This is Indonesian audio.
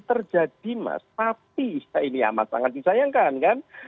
terjadi mas tapi ini amat sangat disayangkan kan